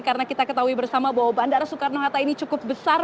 karena kita ketahui bersama bahwa bandara soekarno hatta ini cukup besar